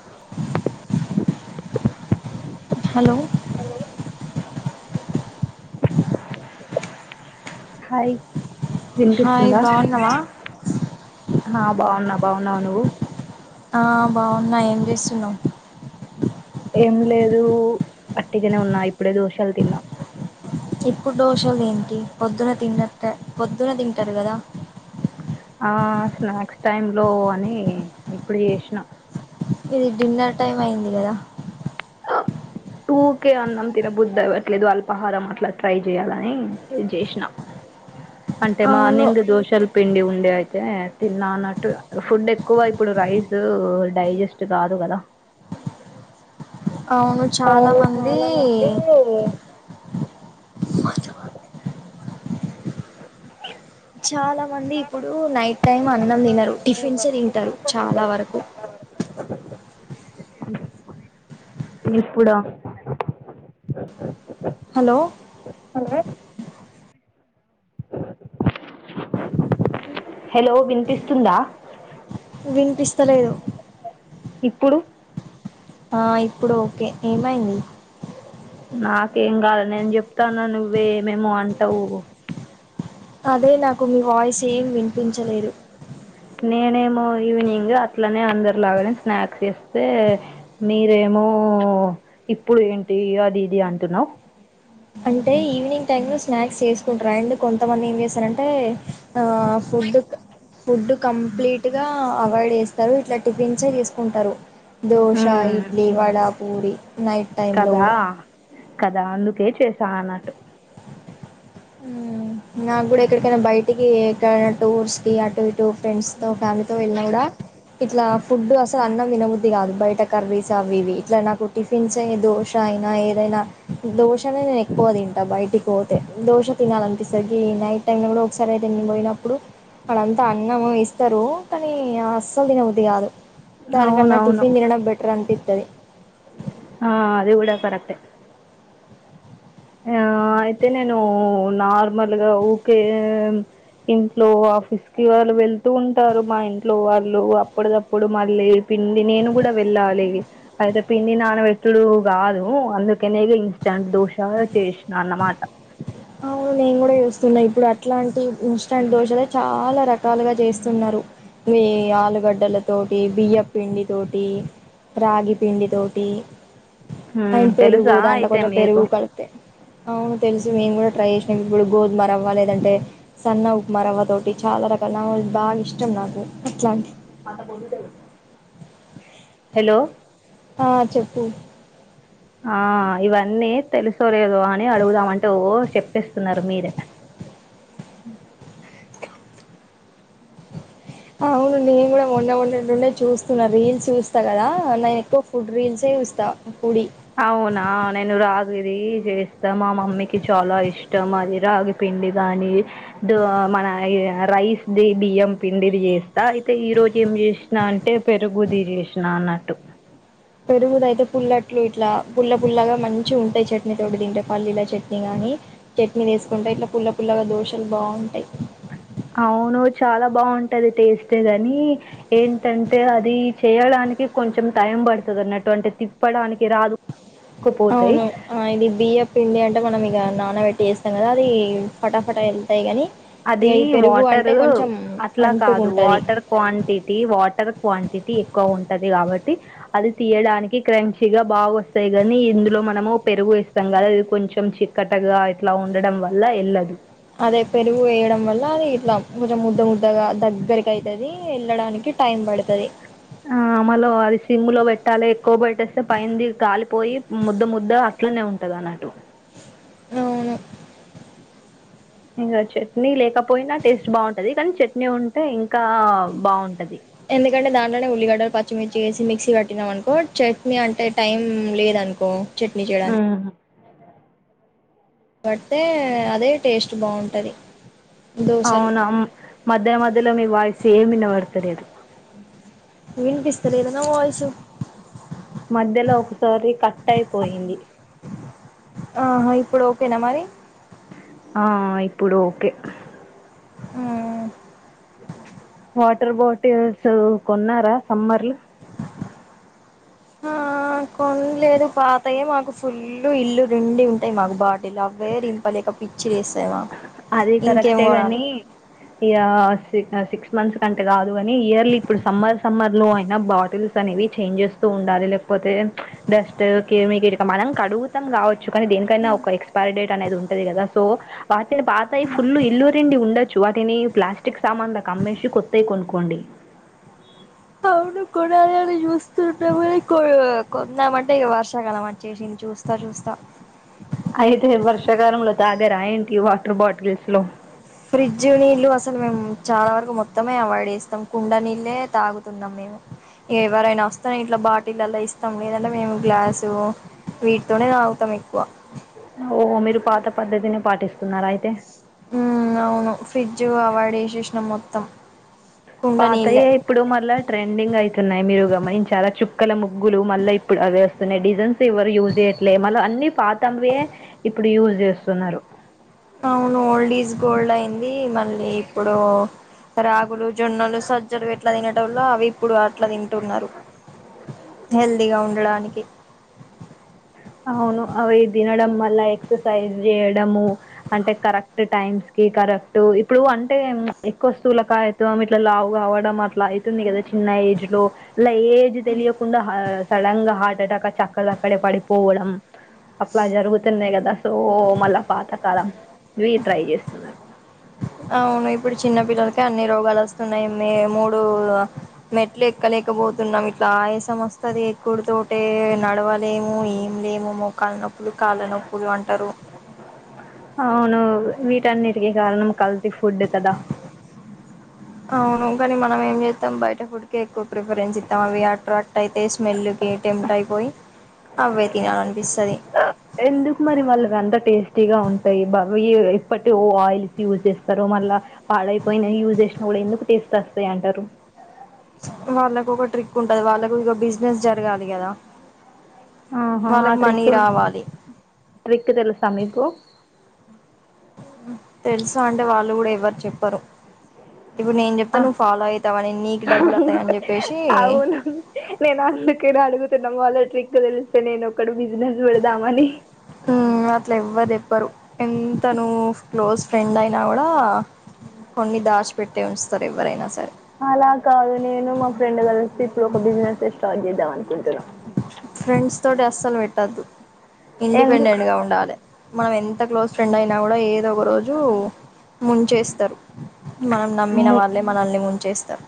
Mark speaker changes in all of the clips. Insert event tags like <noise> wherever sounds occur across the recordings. Speaker 1: <inaudible> Hello!
Speaker 2: Hi
Speaker 1: hi
Speaker 2: వినిపిస్తుందా
Speaker 1: బాగున్నావా?
Speaker 2: ఆ బాగున్నా బాగున్నావా? నువ్వు
Speaker 1: ఆ బాగున్నా ఏం చేస్తున్నావ్.
Speaker 2: ఏం లేదు ఒట్టిగానే ఉన్నా ఇప్పుడే దోశలు తిన్నా
Speaker 1: ఇప్పుడు దోశలు ఏంటి పొద్దున తింటారు కదా.
Speaker 2: ఆ స్నాక్స్ టైమ్ లో అని ఇప్పుడు చేసినా.
Speaker 1: ఇది డిన్నర్ టైమ్ అయింది కదా.
Speaker 2: టూకే అన్నం తినబుద్దు అవ్వట్లేదు అల్పాహారం అట్లా ట్రై చేయాలని ఇది చేసినా.
Speaker 1: <inaudible>
Speaker 2: అంటే
Speaker 1: అవును
Speaker 2: మార్నింగ్ దోశల పిండి ఉండే అయితే తిన్న అన్నట్టు. ఫుడ్ ఎక్కువ ఇప్పుడు రైస్ డైజెస్ట్ కాదు. కదా
Speaker 1: అవును చాలా మంది చాలా మంది ఇప్పుడు నైట్ టైం అన్నం తినరు టిఫిన్స్ తింటారు చాలా వరకు
Speaker 2: ఇప్పుడా
Speaker 1: హలో
Speaker 2: హలో! వినిపిస్తుందా?
Speaker 1: వినిపిస్తలేదు.
Speaker 2: ఇప్పుడు
Speaker 1: ఆ ఇప్పుడు ఓకే. ఏమైంది?
Speaker 2: నాకేం కాలే నేను చెప్తాన్న నువ్వే ఏమేమో అంటావు
Speaker 1: అదే నాకు మీ వాయిస్ ఏం వినిపించలేదు.
Speaker 2: నేనేమో ఈవినింగ్ అట్లనే అందరిలాగానే స్నాక్స్ చేస్తే మీరేమో ఓ ఇప్పుడు ఏంటి అది ఇది అంటున్నావు
Speaker 1: అంటే ఈవినింగ్ టైమ్ లో స్నాక్స్ చేసుకుంటారు. అండ్ కొంతమంది ఏం చేస్తారంటే ఆ ఫుడ్ ఫుడ్ కంప్లీట్ గా అవాయిడ్ చేస్తారు ఇట్లా టిఫన్స్ చేసుకుంటారు. దోశ, ఇడ్లీ, వడ, పూరి నైట్ టైంలో
Speaker 2: కదా
Speaker 1: కూడా
Speaker 2: కదా అందుకే చేసాను అన్నట్టు.
Speaker 1: మ్ ఉ. నాకు కూడా ఎక్కడికైనా బయటికి ఎక్కడైనా టూర్స్ కి అటు ఇటు ఫ్రెండ్స్ తో ఫ్యామిలీతో వెళ్ళినా కూడా ఇట్లా ఫుడ్ అసలు అన్నం తినబుద్ది కాదు బయట కర్రీస్ అవి ఇవి ఇట్లా నాకు టిఫిన్స్ దోష అయినా ఏదైనా దోష అనే నేను ఎక్కువ తి టా బయటికి పోతే దోశ తినాలనిపిస్తది గీ నైట్ టైమ్ లో కూడా ఒకసారి అయితే నేను పోయినప్పుడు ఆడంత అన్నం ఇస్తారు కానీ అస్సలు తిన బుద్ది కాదు దాని కన్నా టిఫిన్ తినడం బెటర్ అనిపిస్తాది
Speaker 2: ఆ అది కూడా కరెక్టే ఆ అయితే నేను నార్మల్ గా ఊకే ఏ ఇంట్లో ఆఫీస్ కి వాళ్ళు వెళ్తూ ఉంటారు మా ఇంట్లో వాళ్ళు అప్పటికప్పుడు మళ్లీ పిండి నేను కూడా వెళ్ళాలి అయితే పిండి నానపెట్టుడు కాదు అందుకనే ఇంస్టాంట్ దోష చాలా చేసిన అన్నమాట
Speaker 1: అవును నేను కూడా చూస్తున్నా ఇప్పుడు అట్లాంటి ఇంస్టాండ్ దోశలే చాలా రకా రకాలుగా చేస్తున్నారు ఈ ఆలుగడ్డల తోటి బియ్య పిండి తోటి రాగి పిండి తోటి
Speaker 2: హ్మ్
Speaker 1: అండ్ పెరుగు
Speaker 2: తెలుసా
Speaker 1: దాంట్లో
Speaker 2: అయితే
Speaker 1: కొంచెం పెరుగు
Speaker 2: మీకు
Speaker 1: కలిపితే అవును తెలుసు మేం కూడా ట్రై ఇభడు గోధుమ రవ్వ లేదంటే సన్న ఉప్మారవ్వ తోటి చాలా రకాల నవ బాగా ఇష్టం నాకు అట్లాంటి
Speaker 2: అంట <unintelligible> హెలో
Speaker 1: ఆ చెప్పు
Speaker 2: ఆ ఇవన్నీ తెలుసో లేదో అని అడుగుదామంటే ఓ చెప్పేస్తున్నారు మీరే
Speaker 1: ఎ ఆ అవును అండి నేను కూడా మొన్న ఉన్నట్టుండే చూస్తున్నా రీల్స్ చూస్తా కదా ఆ నేను ఎక్కువ ఫుడ్ రీల్స్ ఎ చూస్త పూడి
Speaker 2: అవునా నేను రాగిది చేస్తా మా మమ్మీకి చాలా ఇష్టం అది రాగి పిం పిండి గానీ దో మన ద రైస్ ది బియ్యం పిండిది చేస్తా అయితే ఈ రో కే ఏం చేసినా అంటే పెరుగుది చేసినా అన్నట్టు
Speaker 1: పెరుగుదయితే పుల్లట్లు ఇట్లా పుల్ల పుల్లగా మంచి ఉంటాయి చెట్టు చట్నీ తోటి తింటే పల్లీల చట్నీ గాని చట్నీ వేసుకుంటే ఇట్లా పుల్ల పుల్లగా దోషాలు బాగుంటాయి
Speaker 2: అవును చాలా బాగుంటది టేస్ట్ గానీ ఏంటంటే అది చేయాల కొంచెం టైం పడతాది అన్నటువంటి తిప్పడానికి రాదు పోతాయి
Speaker 1: అవును ఆ ఇది బియ్యపిండి అ అంటే మనం ఇగ నానబెట్టి చేస్తాం కదా అది ఫటాఫటా వెళ్తాయి కానీ ఇక
Speaker 2: అది
Speaker 1: ఈ పెరుగు అంటే
Speaker 2: వాటరు
Speaker 1: కొంచెం
Speaker 2: అట్లా కాదు
Speaker 1: అంటుకుంటుంది
Speaker 2: వాటర్ క్వాంటిటీ వాటర్ క్వాంటి అతి ఎక్కువ ఉంటది కాబట్ తి అది తీయడానికి క్రంచిగా బాగా వస్తాయి కానీ ఇందులో మనము పెరుగు వేస్తాం కదా అది కొం చెం చిక్కటగా ఇట్లా ఉండడం వల్ల ఏళ్ళదు
Speaker 1: అదే పెరుగు వేయడం వల్ల అది ఇట్లా భుజం ముద్ద ముద్దగా దగ్గరకి అయితాది వెళ్ళడానికి టైమ్ పడతాది
Speaker 2: ఆమలో అది సిమ్లో పెట్టాలి ఎక్కువ పెట్టేస్తే పైన ది కాలిపోయి ముద్ద ముద్ద అట్లనే ఉంటది వట నాటు
Speaker 1: అవును
Speaker 2: ఇంకా చట్నీ లేకపోయినా టేస్ట్ బాగుంటది కానీ చట్నీ ఉంటే ఇంకా బాగుంటది
Speaker 1: ఎందుకంటే దాంట్లోనే ఉల్లిగడ్డలు పచ్చిమిర్చి వేసి మిక్సీ కట్టినాం అనుకో చట్నీ అంటే టైం లేదా అను కో చట్నీ చేయడా
Speaker 2: ఉమ్
Speaker 1: పడితే అదే టేస్ట్ బాగుంటది దోశలు
Speaker 2: అవునా మధ్య మధ్యలో మీ వాయిస్ ఏమినబడతలేదు
Speaker 1: వినిపిస్త లేదా నా వాయిసు
Speaker 2: మధ్యలో ఒకసారి కట్ అయిపోయింది
Speaker 1: ఆహా ఇప్పుడు ఓకేనా మరి
Speaker 2: ఆ ఇప్పుడు ఓకే.
Speaker 1: అ‌.
Speaker 2: వాటర్ బాటిల్స్ కొన్నారా సమ్మర్లు.
Speaker 1: ఆ కొనలేదు పాతయ్యే మాకు ఫుల్ ఇల్లు నుండి ఉంటాయి మాకు బాట. అవె నింప లేక పిచ్చి లేస్తది మాకు
Speaker 2: అది
Speaker 1: ఇంకేం
Speaker 2: కరెక్టే
Speaker 1: కొనాలి.
Speaker 2: గాని ఇగ నా సిక్స్. సిక్స్ మంత్స్ కంటే కాదు కానీ ఇయర్లీ ఇప్పుడు సమ్మర్ సమ్మర్ లో అయినా బాటిల్స్ అనేవి చేంజెస్తూ ఉండాలి లేకపోతే. పోతే డస్ట్ కిమి కటకం మనం కడుగుతం కావోచ్. కానీ దేనికైనా ఒక ఎక్స్పైరీ డేట్ అనేది ఉంటది కదా సో వాటిని పాతయి ఫుల్ ఇల్లుూరిండి ఉండ. చు వాటిని ప్లాస్టిక్ సామాన్ లకి అమ్మేసి కొత్తయి కొనుకోండి.
Speaker 1: అవును కొనాలి అని చూస్తుంట పో కొందామంటే ఇక వర్షాకాలం వచ్చేసింది. చూస్తా చూస్తా.
Speaker 2: అయితే వర్షాకాలంలో తాగ రా ఏంటి వాటర్ బాటిల్స్ లో.
Speaker 1: ఫ్రిడ్జ్ నీళ్ళు అసలు మేము చాలా వరకు మొత్తమే అవాయిడ్ చేస్తాం కుండ నీళ్ళే తాగుతున్నాం మేము ఇక ఎవరైనా వస్తన్నా ఇట్లా. బాటిల్ అలా ఇస్తాం లేదంటే మేము గ్లాసు. వీటితోనే తాగుతాం ఎక్కువ
Speaker 2: ఓ మీరు పాత పద్ధతిని పాటిస్తున్నారా అయితే.
Speaker 1: ఉమ్ అవును ఫ్రిడ్జ్ అవాడ్ చేసేసిన మొత్తం. కుండ
Speaker 2: పాతయ్య
Speaker 1: నీళ్ళే
Speaker 2: ఇప్పుడు మళ్ళా ట్రెండింగ్ అయితున్నాయి మీరు గమనించారా చూక్. క్కల ముగ్గులు మళ్ళా ఇప్పుడు అవే వస్తున్నాయి డిజైన్స్ ఎవరు యూస్ చేయట్లే మల్ల అన్ని. పాతవే ఇప్పుడు యూజ్ చేస్తున్నారు.
Speaker 1: అవును ఓల్డ్ ఏజ్ గోల్డ్ అయింది మళ్ళీ ఇప్పుడు. రాగులు, జొన్నలు, సజ్జలు ఎట్లా తినేటోళ్లు అవి ఇప్పుడు అట్లా తింటున్నారు. హెల్దీగా ఉండడానికి.
Speaker 2: అవును అవి తినడం వల్ల ఎక్సర్సైజ్ చేయడము అంటే కరెక్ట్ టైమ్. కరెక్ట్ ఇప్పుడు అంటే ఎక్కువ స్థూలకాయతవం ఇట్లా లావు కావడం అట్లా అవుతుంది కదా చిన్న. చిన్న ఏజ్ లో ఇ ఏజ్ తెలియకుండా సడన్ గా హార్ట్ ఎటాక్ వచ్చి అక్కడికక్కడే పడిపోవడం. పోవడం. అట్లా జరుగుతున్నాయి కదా సో మళ్ళా పాతకాలం ఇవి ట్రై చేస్తున్నారు.
Speaker 1: అవును ఇప్పుడు చిన్న పిల్లలకే అన్ని రోగాలు వస్తున్నాయి మ మూడు మెట్లు ఎక్కలేకపోతున్నాం ఇట్లా ఆయాసం వస్త. వస్తుంది ఎక్కుడు తోట నడవలేము ఏమి లేము మొక్. కాళ్ళ నొప్పులు కాళ్ళ నొప్పులు అంటారు.
Speaker 2: అవును వీటన్నిటికీ కారణం కల్తీ ఫుడ్ కదా.
Speaker 1: అవును కానీ మనం ఏం చేస్తాం బయట ఫుడ్ కె ఎక్కువ ప్రిఫరెన్స్ ఇస్తాం అవి అట్రాక్ట్ అయితే స్మెల్ కె టెంట్ అయిపోయి. అవే తినాలనిపిస్తది
Speaker 2: ఎందుకు మరి వాళ్ల అంతా టేస్టీగా ఉంటాయి బాగా‌. ఇప్పటి ఓ ఆయిల్స్ యూజ్ చేస్తారు మళ్ళా పాడైపోయిన యూజ్ చేసినా కూడా ఎందుకు టేస్ట్ వస్తాయి. ఏంటరు.
Speaker 1: వాళ్ళకు ఒక ట్రిక్ ఉంటది వాళ్ళకు ఇక బిజినెస్ జరగాలి కదా.
Speaker 2: ఆహా ఆ
Speaker 1: వాళ్ళకి మనీ
Speaker 2: ట్రిక్
Speaker 1: రావాలి
Speaker 2: ట్రిక్ తెలిసా మీకు.
Speaker 1: తెలుస అంటే వాళ్ళు కూడా ఎవరు చెప్పరు. ఇప్పుడు నేను
Speaker 2: ఆ
Speaker 1: చెప్తా నువ్వు ఫాలో అయితావని నీకు డబ్బులు అతాయ అని చెప్పేసి.
Speaker 2: నీన్ అడుగుతున వాళ్ల ట్రిక్ తెలిస్తే నేన ఒకటీ బిసినెస్ పెడదామని.
Speaker 1: మ్ అట్లా ఎవ్వరు చెప్పరు ఎంత నువ్వు క్లోజ్ ఫ్రెండ్ అయినా కూడా కొన్ని దాచిపెట్టే ఉస్తుంది.
Speaker 2: అలా కాదు నేను మా ఫ్రెండ్ కలిసి ఇప్పుడు ఒక బిజినెస్ స్టార్ట్ చేస్తా. దం అనుకుంటున్నాం.
Speaker 1: ఫ్రెండ్స్ తోటి అసలు పెట్టొద్దు. ఇండిపెండెంట్ గా ఉండాలి మనం ఎంత క్లోజ్ ఫ్రెండ్ అయినా కూడా ఏ. ఏద ఒక రోజు ముంచేస్తారు మనం నమ్మిన
Speaker 2: ఎందుకు
Speaker 1: వాళ్ళే మనల్ని ముంచేస్తారు.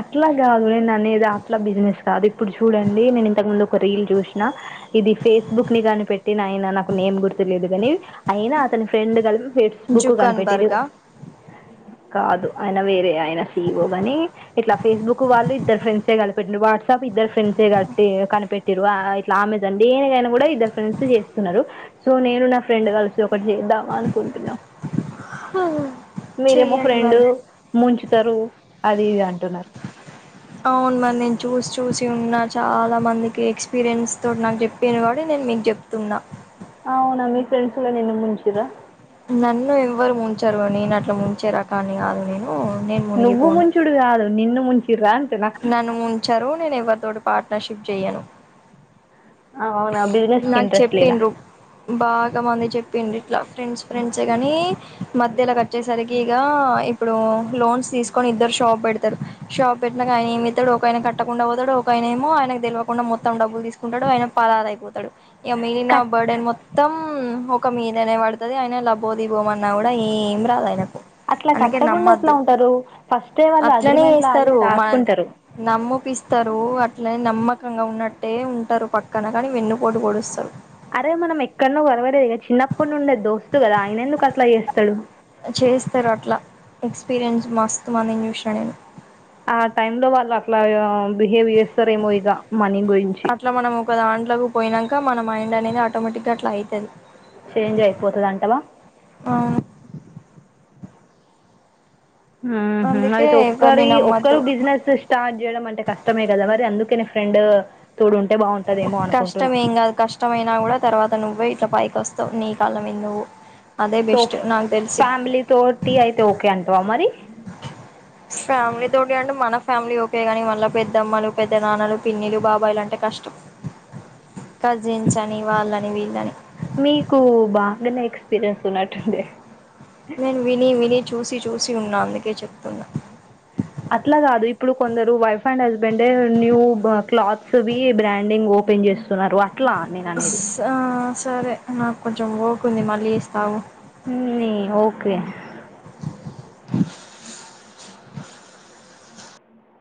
Speaker 2: అట్లా కాదు నిన్ అనేద అట్లా బిజినెస్. కాదు ఇప్పుడు చూడండి నేను ఇంతకు ముందు ఒక రీల్ చూసిన ఇది ఫేస్బుక్ ని కాని పెట్టి ఆయన నాకు నె. ఏం గుర్తులేదు కాని అయినా అతని ఫ్రెండ్ గలపి ఫేస్ బుక్
Speaker 1: జుకన్
Speaker 2: కనిపేటిరు
Speaker 1: బర్గా
Speaker 2: కాదు అయన వేరే ఆయన సీఈవో గాని ఇట్లా ఫేస్బుక్ వాళ్ళు ఇద్దరు ఫ్రెండ్సే కలిపి పెట్ను వాట్సాప్ ఇద్దరు ఫ్రెండ్సే కట్టి కనిపెట్రు ఆ ఇట్లా ఆమెజాన్ దేనికైనా కూడా ఇద్దరు ఫ్రెండ్స్ చేస్ తున్నారు సో నేను నా ఫ్రెండ్ కలిసి ఒకటి చేద్దామా అనుకుంటున్నాం
Speaker 1: అ
Speaker 2: మీరేమో ఫ్రెండ్ ముంచుతారు అది అండ్
Speaker 1: అవును మరి నేను చూసి చూసి ఉన్నా చాలా మందికి ఎక్స్పీరియన్స్ తోడు నాకు చెప్పాను వాడు నేను మీకు చెప్తున్నా
Speaker 2: అవునా మీ ఫ్రెండ్స్ లే నినుం ముంచిరా
Speaker 1: నన్ను ఎవ్వరు ముంచరు నేను అట్లా ముంచే రకాన్ని కాదు నేను నేను
Speaker 2: నువ్వు
Speaker 1: మునిగిపోను
Speaker 2: ముంచుడు కాదు నిన్ను ముంచు
Speaker 1: నన్ను ముంచరు నేను ఎవరితోటి పార్ట్నర్షిప్ చెయను
Speaker 2: అవునా బిజినెస్ కి ఇంట్రెస్ట్ లేద
Speaker 1: బాగా మంది చెప్పిండ్రు ఇట్లా ఫ్రెండ్స్ ఫ్రెండ్సే గాని మధ్య ఇలా క వచ్చేసరికి ఇగ ఆ ఇప్పుడు లోన్స్ తీసుకొని ఇద్దరు షాప్ పెడతారు షాప్ పెట్టినంక ఆయన ఏం చేస్తాడు ఒక ఆయన కట్టకుండా పోతాడు ఒక ఆయనేమో హాయ్ ఆయనకు తెలువ కుండా మొత్తం డబ్బులు తీసుకుంటాడు ఆయన పరాార్ అయిపోతాడు ఇక మీలినా
Speaker 2: కట్
Speaker 1: బర్డన్ మొత్తం ఒక మీ దనే పడుతది అయన ఇలాబోది దిబో మాన్న కూడా ఏం రాదు ఆయనకు
Speaker 2: అట్లా
Speaker 1: అందుకే
Speaker 2: కట్టకుండా ఎట్లా
Speaker 1: నమ్మద్దు
Speaker 2: ఉంటారు ఫస్ట్ టే వాళ్ళు అగ్రిమెంట్ లో
Speaker 1: దు మనల్ని
Speaker 2: రాసుకుంటారు
Speaker 1: నమ్మపిస్తారు అట్ల ని నమ్మకంగా ఉన్నట్టే ఉంటారు పక్ కన కని వెన్ను పోటు పొడు పొడుస్తారు
Speaker 2: అరే మనం ఎక్కడనో గొరవలేేదు ఇ చిన్నప్పటి నుండే దోస్తు కదా ఆయన ఎందుకు అట్లా చేస్తాడు
Speaker 1: చేస్తారు అట్లా ఎక్స్పీరియన్స్ మస్తు మందిని చూసిన నేను
Speaker 2: ఆ టైమ్ లో వాళ్ళు అట్లా గా బిహేవయర్ స్తరే మొయిగా మనీం గుయించిి
Speaker 1: అట్లా మనం ఒక దాంట్లోకి పోయినాక మన మైండ్ అనేది ఆటోమేటిక్గా అట్లా అయితది
Speaker 2: చేంజ్ అయిపోతుది అంటవా
Speaker 1: అవును
Speaker 2: ఉహు
Speaker 1: అందుకే
Speaker 2: అయితే
Speaker 1: ఎవరిని
Speaker 2: ఒక్కరి ఒక్కరు
Speaker 1: నమ్మద్దు
Speaker 2: బిజినెస్ స్టార్ట్ చేయడం అంటే కష్టమే కదా మరి అందు కెనే ఫ్రెండు
Speaker 1: కష్టం ఏం కాదు కష్టం అయినా కూడా తర్వాత నువ్వే ఇట్లా పైకి వస్తావు నీ కాళ్ళ మీద నువ్వు అదే
Speaker 2: సో
Speaker 1: బెస్ట్ నాకు తెలిసి
Speaker 2: ఫ్యామిలీ తోటీ అయితే ఓకే అంటవా మరి
Speaker 1: ఫ్యామిలీ తోటి అంటే మన ఫ్యామిలీ ఓకే కాని మళ్ళీ పెద్దమ్మలు పెద్ద నాన్నలు పిన్నిలు బాబాయిలు అంటే కష్టం కజిన్స్ అని వాళ్ళని వీళ్ళని
Speaker 2: మీకు బాగానే ఎక్స్పీరియన్స్ ఉన్నట్టుందే
Speaker 1: నేను విని విని చూసి చూసి ఉన్నా అందుకే చెప్తున్నా
Speaker 2: అట్లా కాదు ఇప్పుడు కొందరు వైఫ్ అండ్ హస్బెండ్ డే న్యూ బా క్లాత్స్వి బ్రాండింగ్ ఒప్పో ఓపెన్ చేస్తున్నారు ఆ
Speaker 1: స ఆ సరే నాకు కొంచెం ఓర్క్ ఉంది మళ్ళీస్తా ఆగు
Speaker 2: ఉ నీ ఓకే